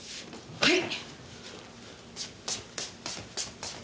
はい！